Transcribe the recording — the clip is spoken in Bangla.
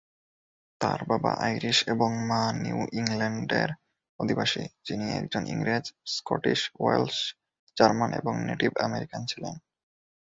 তার বাবা আইরিশ এবং মা নিউ ইংল্যান্ডের অধিবাসী, যিনি একজন ইংরেজ, স্কটিশ, ওয়েলশ, জার্মান, এবং নেটিভ আমেরিকান ছিলেন।